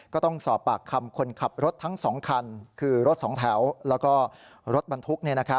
ก็ต้องสอบปากคำคนขับรถทั้ง๒คันคือรถสองแถวแล้วก็รถบรรทุก